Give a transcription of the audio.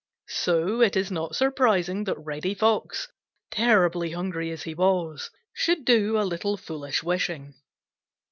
So it is not surprising that Reddy Fox, terribly hungry as he was, should do a little foolish wishing.